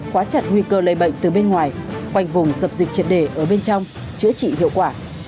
khóa chặt nguy cơ lây bệnh từ bên ngoài khoanh vùng dập dịch triệt đề ở bên trong chữa trị hiệu quả